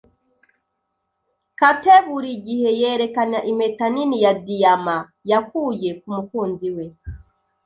Kate burigihe yerekana impeta nini ya diyama yakuye kumukunzi we.